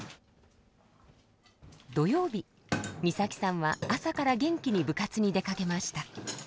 土曜日みさきさんは朝から元気に部活に出かけました。